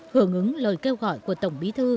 hưởng ứng lời kêu gọi của tổng bí tế